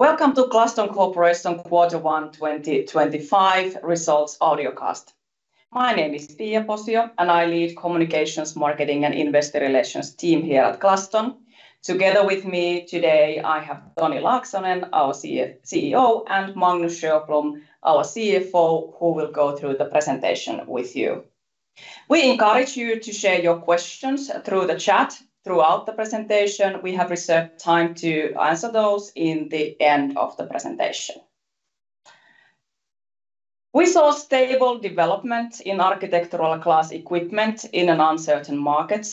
Welcome to Glaston Corporation quarter one, 2025 results audiocast. My name is Pia Posio, and I lead the communications, marketing, and investor relations team here at Glaston. Together with me today, I have Toni Laaksonen, our CEO, and Magnus Sjöblom, our CFO, who will go through the presentation with you. We encourage you to share your questions through the chat throughout the presentation. We have reserved time to answer those in the end of the presentation. We saw stable development in architectural glass equipment in an uncertain market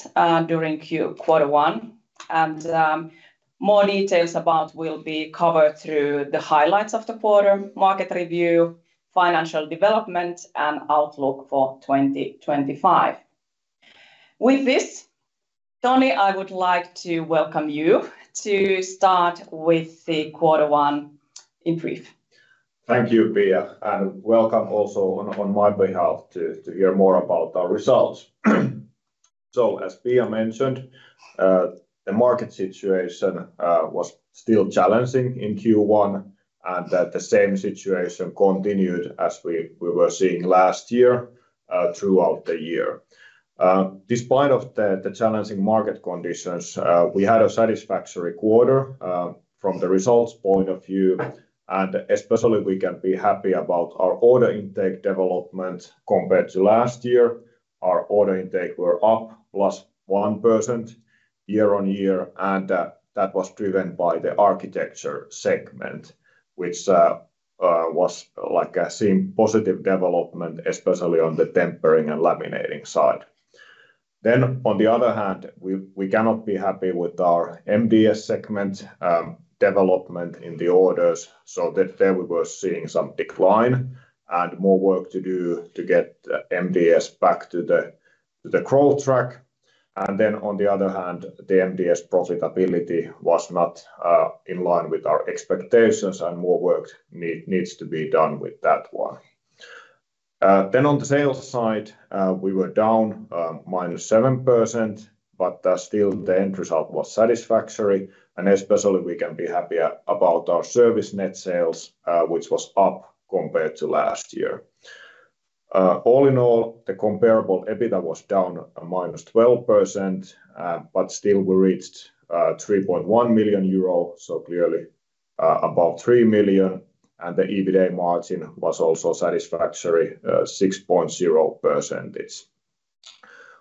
during quarter one, and more details about will be covered through the highlights of the Quarter: market review, financial development, and outlook for 2025. With this, Toni, I would like to welcome you to start with the quarter one in brief. Thank you, Pia, and welcome also on my behalf to hear more about our results. As Pia mentioned, the market situation was still challenging in Q1, and the same situation continued as we were seeing last year throughout the year. Despite the challenging market conditions, we had a satisfactory quarter from the results point of view, and especially we can be happy about our order intake development compared to last year. Our order intake was up +1% year-on-year, and that was driven by the architecture segment, which was like a positive development, especially on the tempering and laminating side. On the other hand, we cannot be happy with our MDS segment development in the orders, so there we were seeing some decline and more work to do to get MDS back to the crawl track. On the other hand, the MDS profitability was not in line with our expectations, and more work needs to be done with that one. On the sales side, we were down -7%, but still the end result was satisfactory, and especially we can be happy about our service net sales, which was up compared to last year. All in all, the comparable EBITDA was down -12%, but still we reached 3.1 million euro, so clearly above 3 million, and the EBITDA margin was also satisfactory, 6.0%.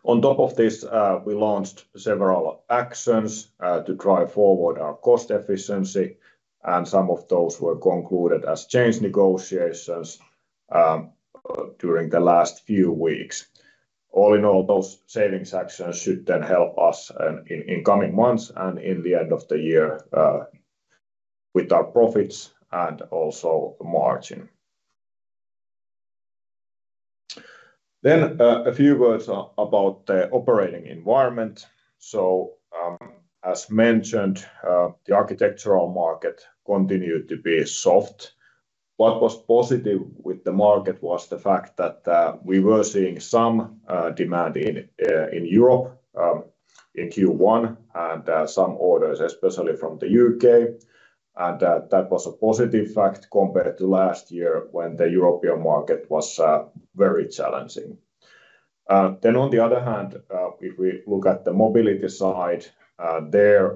On top of this, we launched several actions to drive forward our cost efficiency, and some of those were concluded as change negotiations during the last few weeks. All in all, those savings actions should then help us in coming months and in the end of the year with our profits and also margin. A few words about the operating environment. As mentioned, the architectural market continued to be soft. What was positive with the market was the fact that we were seeing some demand in Europe in Q1 and some orders, especially from the U.K., and that was a positive fact compared to last year when the European market was very challenging. On the other hand, if we look at the mobility side,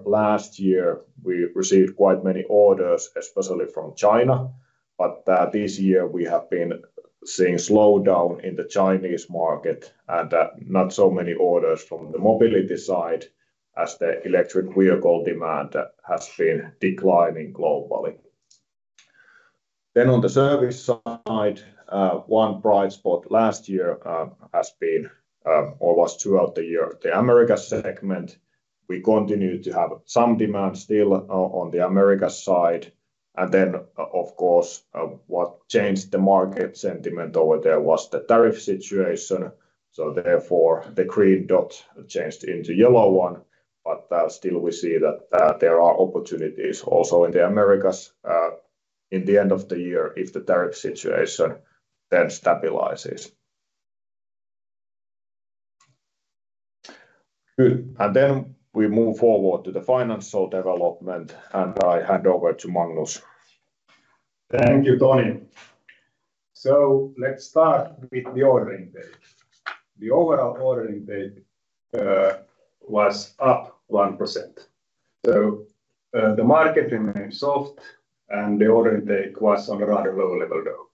last year we received quite many orders, especially from China, but this year we have been seeing a slowdown in the Chinese market and not so many orders from the mobility side as the electric vehicle demand has been declining globally. On the service side, one bright spot last year has been, or was throughout the year, the Americas segment. We continue to have some demand still on the Americas side, and then, of course, what changed the market sentiment over there was the tariff situation, so therefore the green dot changed into a yellow one, but still we see that there are opportunities also in the Americas in the end of the year if the tariff situation then stabilizes. Good, and then we move forward to the financial development, and I hand over to Magnus. Thank you, Toni. Let's start with the order intake. The overall order intake was up 1%, so the market remained soft, and the order intake was on a rather low level though.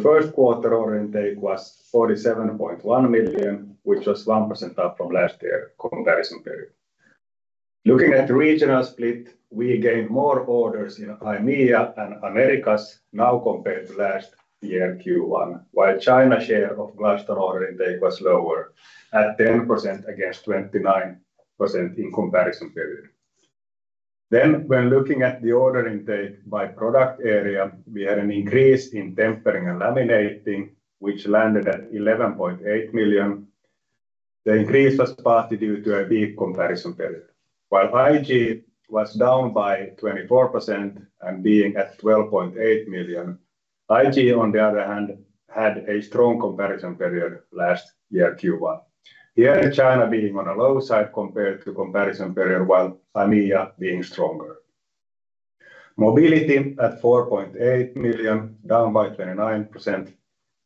First quarter order intake was 47.1 million, which was 1% up from last year's comparison period. Looking at the regional split, we gained more orders in IMEA and Americas now compared to last year Q1, while China's share of Glaston order intake was lower at 10% against 29% in the comparison period. When looking at the order intake by product area, we had an increase in tempering and laminating, which landed at 11.8 million. The increase was partly due to a weak comparison period, while IG was down by 24% and at 12.8 million. IG, on the other hand, had a strong comparison period last year Q1, here in China being on a low side compared to comparison period while IMEA being stronger. Mobility at 4.8 million, down by 29%,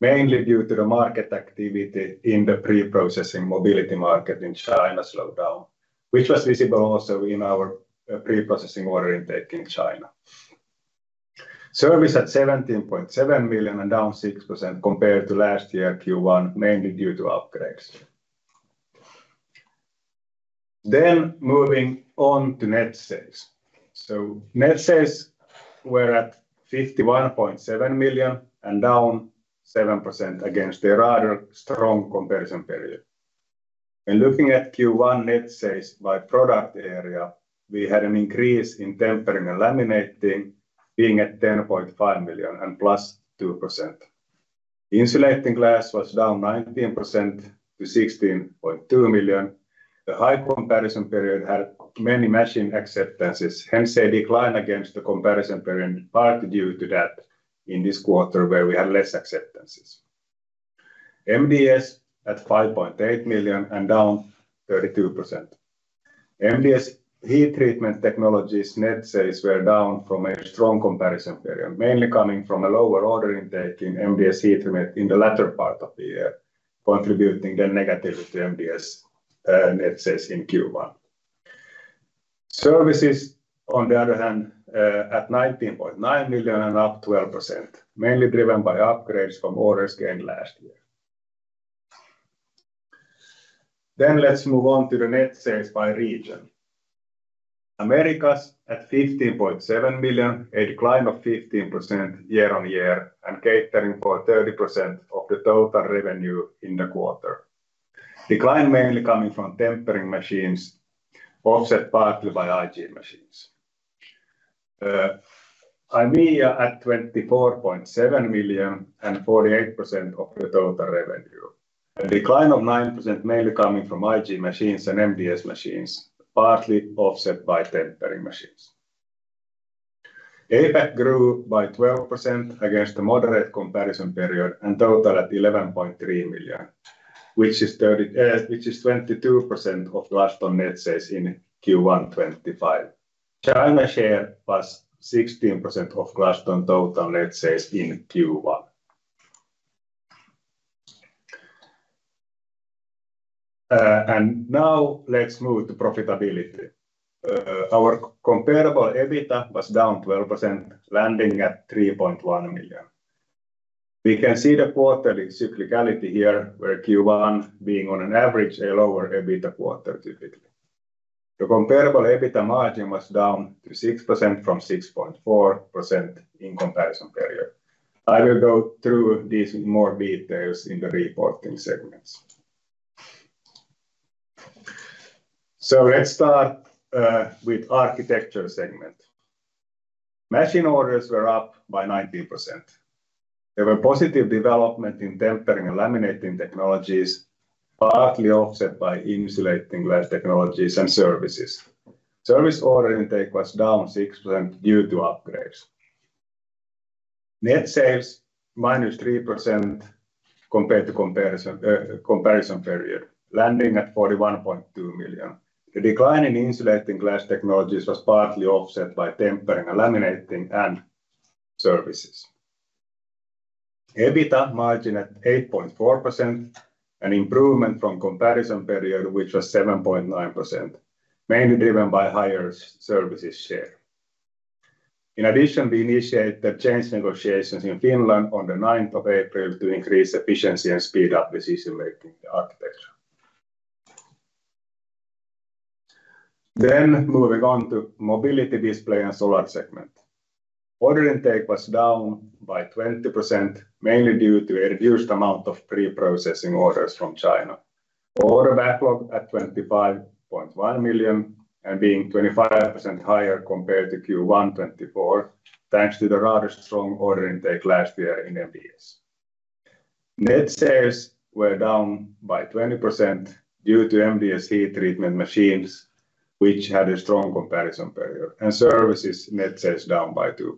mainly due to the market activity in the pre-processing mobility market in China slowdown, which was visible also in our pre-processing order intake in China. Service at 17.7 million and down 6% compared to last year Q1, mainly due to upgrades. Moving on to net sales. Net sales were at 51.7 million and down 7% against a rather strong comparison period. When looking at Q1 net sales by product area, we had an increase in tempering and laminating, being at 10.5 million and +2%. Insulating glass was down 19% to 16.2 million. The high comparison period had many machine acceptances, hence a decline against the comparison period, partly due to that in this quarter where we had less acceptances. MDS at 5.8 million and down 32%. MDS heat treatment technologies net sales were down from a strong comparison period, mainly coming from a lower order intake in MDS heat treatment in the latter part of the year, contributing then negatively to MDS net sales in Q1. Services, on the other hand, at 19.9 million and up 12%, mainly driven by upgrades from orders gained last year. Let's move on to the net sales by region. Americas at 15.7 million, a decline of 15% year-on-year and catering for 30% of the total revenue in the quarter. Decline mainly coming from tempering machines, offset partly by IG machines. IMEA at 24.7 million and 48% of the total revenue. A decline of 9% mainly coming from IG machines and MDS machines, partly offset by tempering machines. APAC grew by 12% against a moderate comparison period and total at 11.3 million, which is 22% of Glaston net sales in Q1 2025. China share was 16% of Glaston total net sales in Q1. Now let's move to profitability. Our comparable EBITDA was down 12%, landing at 3.1 million. We can see the quarterly cyclicality here, where Q1 being on average a lower EBITDA quarter typically. The comparable EBITDA margin was down to 6% from 6.4% in the comparison period. I will go through these in more detail in the reporting segments. Let's start with the architecture segment. Machine orders were up by 19%. There were positive developments in tempering and laminating technologies, partly offset by insulating glass technologies and services. Service order intake was down 6% due to upgrades. Net sales -3% compared to comparison period, landing at 41.2 million. The decline in insulating glass technologies was partly offset by tempering and laminating and services. EBITDA margin at 8.4%, an improvement from comparison period, which was 7.9%, mainly driven by higher services share. In addition, we initiated change negotiations in Finland on the 9th of April to increase efficiency and speed up decision-making in the architecture. Moving on to mobility display and solar segment. Order intake was down by 20%, mainly due to a reduced amount of pre-processing orders from China. Order backlog at 25.1 million and being 25% higher compared to Q1 2024, thanks to the rather strong order intake last year in MDS. Net sales were down by 20% due to MDS heat treatment machines, which had a strong comparison period, and services net sales down by 2%.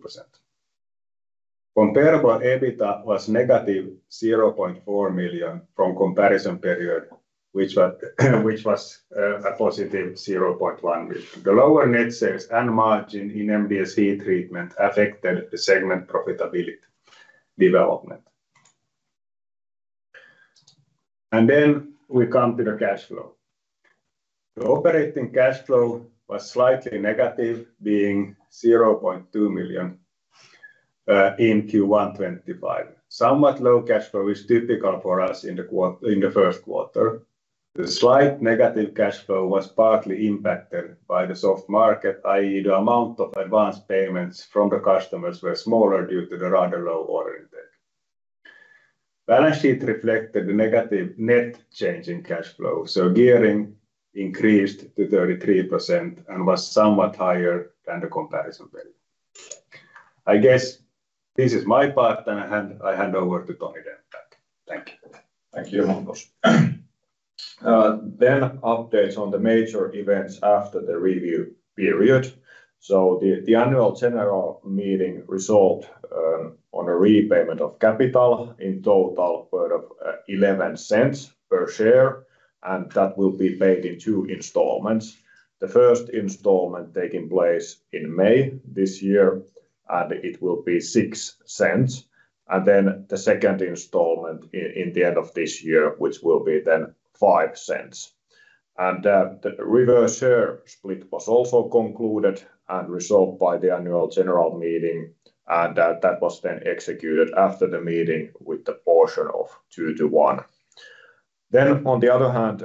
Comparable EBITDA was -0.4 million from comparison period, which was a +0.1 million. The lower net sales and margin in MDS Heat Treatment affected the segment profitability development. We come to the cash flow. The operating cash flow was slightly negative, being 0.2 million in Q1 2025. Somewhat low cash flow is typical for us in the first quarter. The slight negative cash flow was partly impacted by the soft market, i.e., the amount of advance payments from the customers were smaller due to the rather low order intake. Balance sheet reflected the negative net change in cash flow, so gearing increased to 33% and was somewhat higher than the comparison period. I guess this is my part, and I hand over to Toni then back. Thank you. Thank you, Magnus. Updates on the major events after the review period. The annual general meeting resulted in a repayment of capital in total worth of 0.11 per share, and that will be paid in two installments. The first installment taking place in May this year, and it will be 0.06, and the second installment in the end of this year, which will be then 0.05. The reverse share split was also concluded and resolved by the annual general meeting, and that was then executed after the meeting with the portion of two to one. On the other hand,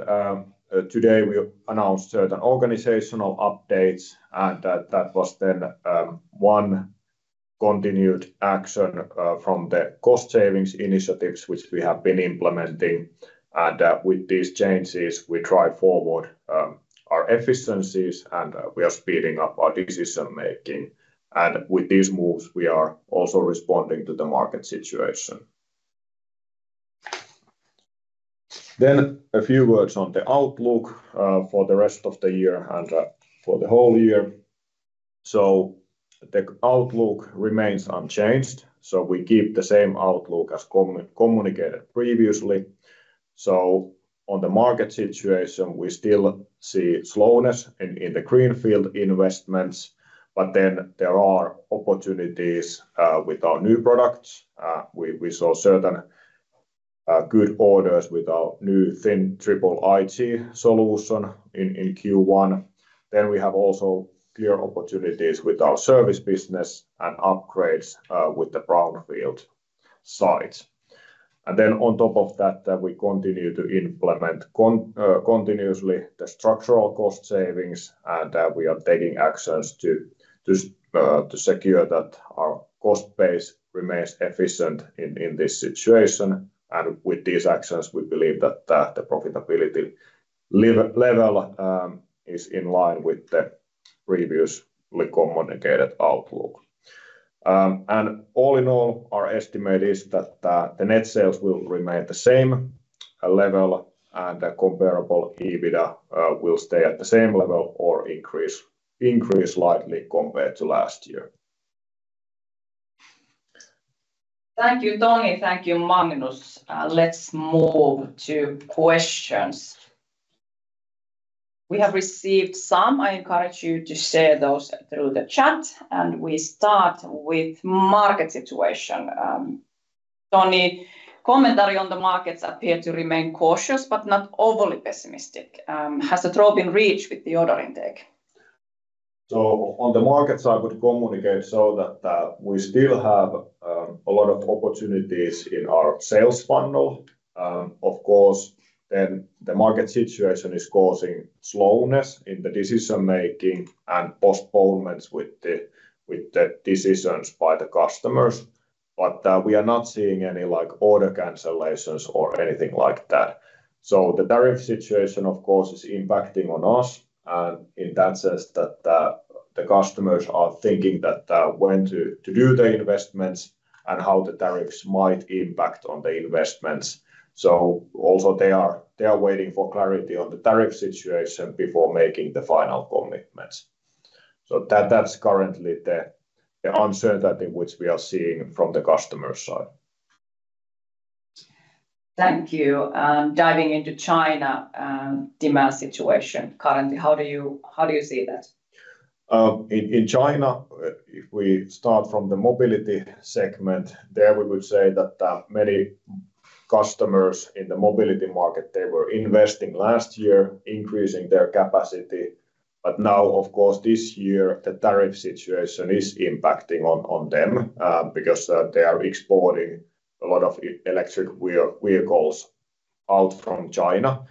today we announced certain organizational updates, and that was then one continued action from the cost savings initiatives which we have been implementing, and with these changes we drive forward our efficiencies and we are speeding up our decision-making, and with these moves we are also responding to the market situation. A few words on the outlook for the rest of the year and for the whole year. The outlook remains unchanged, we keep the same outlook as communicated previously. On the market situation, we still see slowness in the greenfield investments, but there are opportunities with our new products. We saw certain good orders with our new thin triple IG solution in Q1. We have also clear opportunities with our service business and upgrades with the brownfield sites. On top of that, we continue to implement continuously the structural cost savings, and we are taking actions to secure that our cost base remains efficient in this situation, and with these actions, we believe that the profitability level is in line with the previously communicated outlook. All in all, our estimate is that the net sales will remain at the same level, and the comparable EBITDA will stay at the same level or increase slightly compared to last year. Thank you, Toni. Thank you, Magnus. Let's move to questions. We have received some. I encourage you to share those through the chat, and we start with market situation. Toni, commentary on the markets appear to remain cautious but not overly pessimistic. Has the draw been reached with the order intake? On the market side, I would communicate so that we still have a lot of opportunities in our sales funnel. Of course, the market situation is causing slowness in the decision-making and postponements with the decisions by the customers, but we are not seeing any order cancellations or anything like that. The tariff situation, of course, is impacting on us, and in that sense, the customers are thinking that when to do the investments and how the tariffs might impact on the investments. Also, they are waiting for clarity on the tariff situation before making the final commitments. That's currently the uncertainty which we are seeing from the customer side. Thank you. Diving into China, demand situation currently, how do you see that? In China, if we start from the mobility segment, there we would say that many customers in the mobility market, they were investing last year, increasing their capacity, but now, of course, this year, the tariff situation is impacting on them because they are exporting a lot of electric vehicles out from China,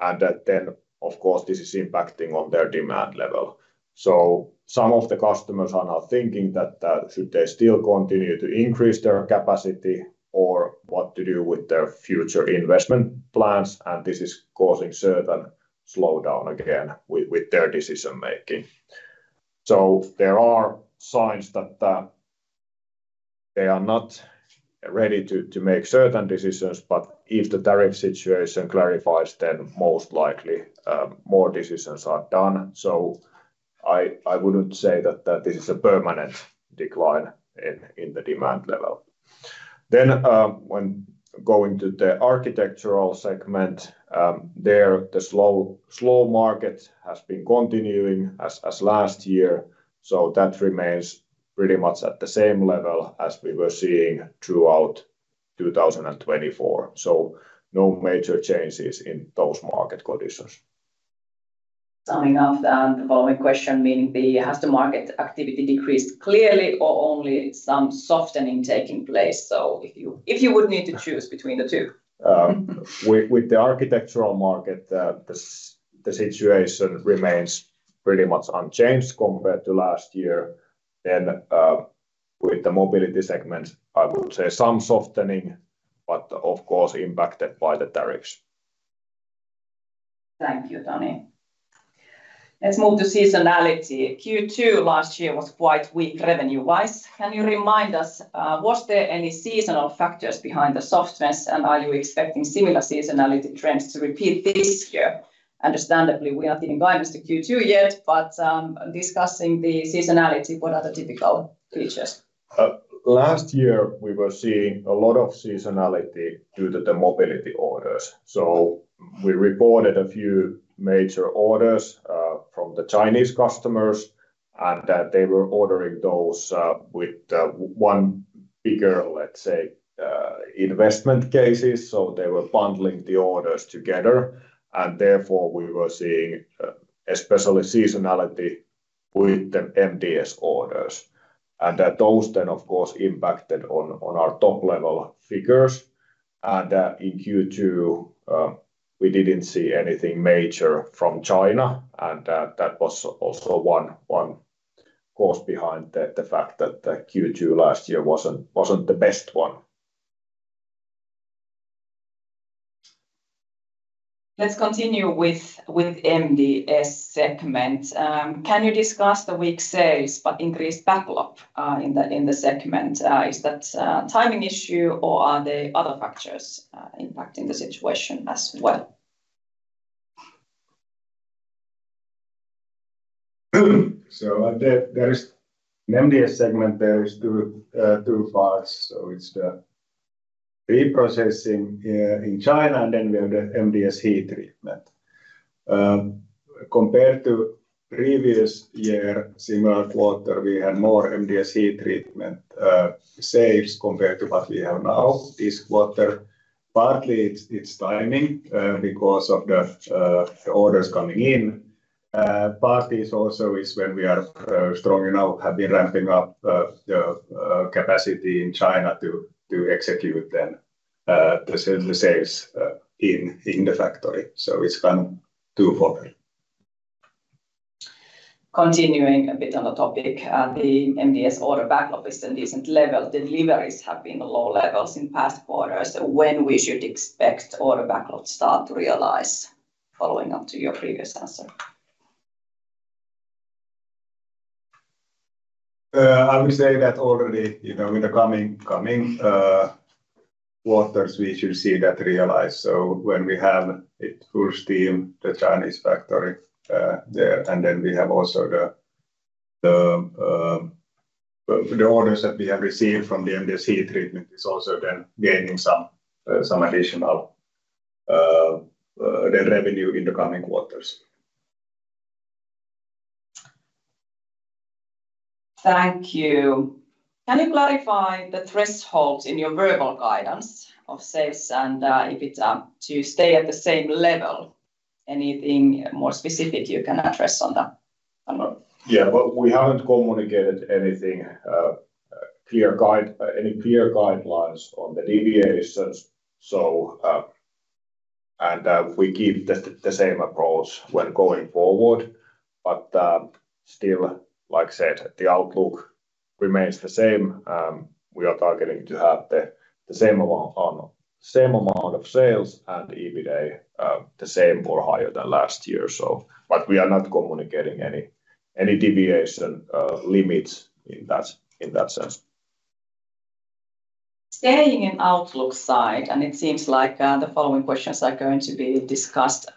and then, of course, this is impacting on their demand level. Some of the customers are now thinking that should they still continue to increase their capacity or what to do with their future investment plans, and this is causing certain slowdown again with their decision-making. There are signs that they are not ready to make certain decisions, but if the tariff situation clarifies, then most likely more decisions are done. I would not say that this is a permanent decline in the demand level. When going to the architectural segment, there the slow market has been continuing as last year, so that remains pretty much at the same level as we were seeing throughout 2024. No major changes in those market conditions. Summing up the following question, meaning has the market activity decreased clearly or only some softening taking place? If you would need to choose between the two. With the architectural market, the situation remains pretty much unchanged compared to last year. With the mobility segment, I would say some softening, but of course, impacted by the tariffs. Thank you, Toni. Let's move to seasonality. Q2 last year was quite weak revenue-wise. Can you remind us, were there any seasonal factors behind the softness, and are you expecting similar seasonality trends to repeat this year? Understandably, we are not giving guidance to Q2 yet, but discussing the seasonality, what are the typical features? Last year, we were seeing a lot of seasonality due to the mobility orders. We reported a few major orders from the Chinese customers, and they were ordering those with one bigger, let's say, investment cases, so they were bundling the orders together, and therefore we were seeing especially seasonality with the MDS orders. Those then, of course, impacted on our top-level figures, and in Q2, we didn't see anything major from China, and that was also one cause behind the fact that Q2 last year wasn't the best one. Let's continue with MDS segment. Can you discuss the weak sales but increased backlog in the segment? Is that a timing issue, or are there other factors impacting the situation as well? There is the MDS segment, there are two parts, so it's the pre-processing in China, and then we have the MDS heat treatment. Compared to the previous year, similar quarter, we had more MDS heat treatment sales compared to what we have now this quarter. Partly, it's timing because of the orders coming in. Partly also is when we are strong enough, have been ramping up the capacity in China to execute the sales in the factory. It's kind of two quarters. Continuing a bit on the topic, the MDS order backlog is at a decent level. Deliveries have been low levels in past quarters. When should we expect order backlogs to start to realize? Following up to your previous answer. I would say that already with the coming quarters, we should see that realize. When we have it full steam, the Chinese factory there, and then we have also the orders that we have received from the MDS Heat Treatment is also then gaining some additional revenue in the coming quarters. Thank you. Can you clarify the thresholds in your verbal guidance of sales and if it's to stay at the same level? Anything more specific you can address on that? Yeah, we haven't communicated anything clear, any clear guidelines on the deviations, and we keep the same approach when going forward. Still, like I said, the outlook remains the same. We are targeting to have the same amount of sales and EBITDA the same or higher than last year. We are not communicating any deviation limits in that sense. Staying in the outlook side, and it seems like the following questions are going to be discussed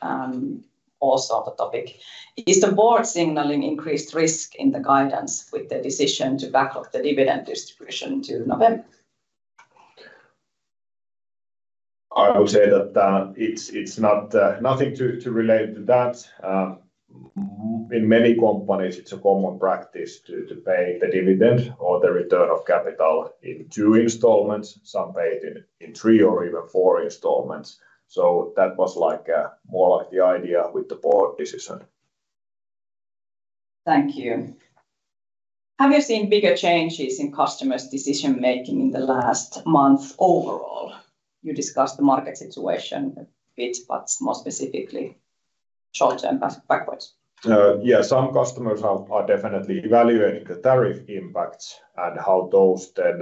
also on the topic. Is the board signaling increased risk in the guidance with the decision to backlog the dividend distribution to November? I would say that it's nothing to relate to that. In many companies, it's a common practice to pay the dividend or the return of capital in two installments. Some pay in three or even four installments. That was more like the idea with the board decision. Thank you. Have you seen bigger changes in customers' decision-making in the last month overall? You discussed the market situation a bit, but more specifically short-term backwards. Yeah, some customers are definitely evaluating the tariff impacts and how those then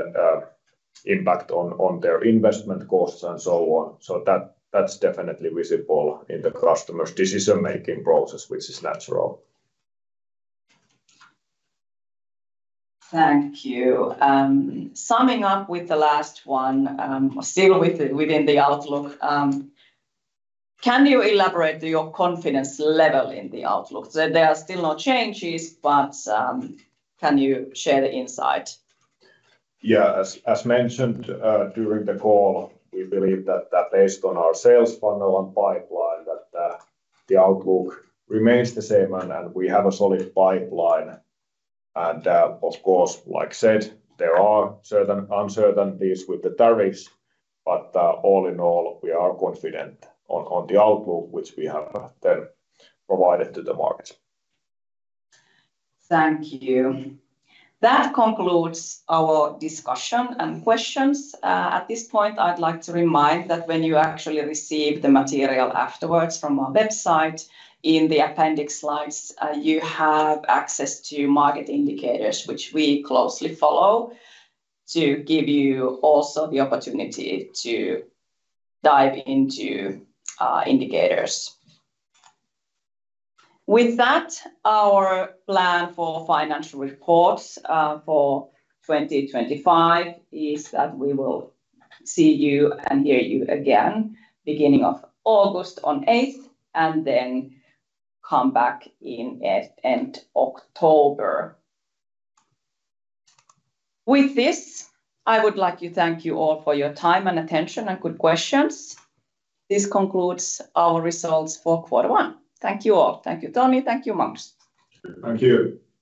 impact on their investment costs and so on. That is definitely visible in the customers' decision-making process, which is natural. Thank you. Summing up with the last one, still within the outlook, can you elaborate on your confidence level in the outlook? There are still no changes, but can you share the insight? Yeah, as mentioned during the call, we believe that based on our sales funnel and pipeline, the outlook remains the same, and we have a solid pipeline. Of course, like I said, there are certain uncertainties with the tariffs, but all in all, we are confident on the outlook which we have then provided to the market. Thank you. That concludes our discussion and questions. At this point, I'd like to remind that when you actually receive the material afterwards from our website, in the appendix slides, you have access to market indicators which we closely follow to give you also the opportunity to dive into indicators. With that, our plan for financial reports for 2025 is that we will see you and hear you again beginning of August on 8th, and then come back in end October. With this, I would like to thank you all for your time and attention and good questions. This concludes our results for quarter one. Thank you all. Thank you, Toni. Thank you, Magnus. Thank you.